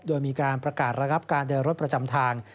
โดยมีการประกาศระงับการเดินรถประจำทาง